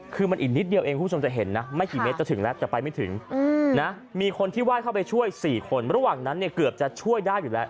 เข้าไปช่วยสี่คนระหว่างนั้นเกือบจะช่วยได้อยู่แล้ว